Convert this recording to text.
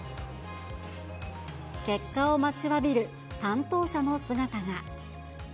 結果を待ちわびる担当者の姿が。